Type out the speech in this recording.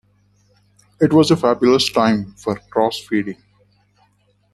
It was a fabulous time for cross-feeding.